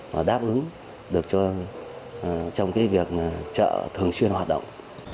và đáp ứng được trong cái việc chợ thường xuyên hoạt động